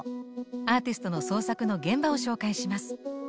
アーティストの創作の現場を紹介します。